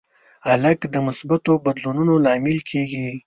هلک د مثبتو بدلونونو لامل کېږي.